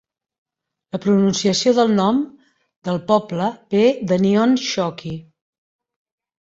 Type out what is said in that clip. La pronunciació del nom del poble ve del Nihon Shoki.